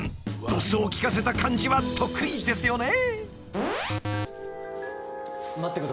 どすを利かせた感じは得意ですよね？］